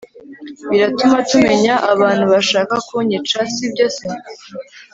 biratuma tumenya abantu bashaka kunyica! sibyo se!